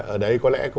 ở đấy có lẽ